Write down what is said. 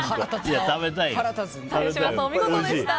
吉村さん、お見事でした。